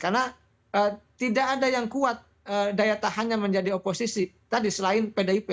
karena tidak ada yang kuat daya tahannya menjadi oposisi tadi selain pdip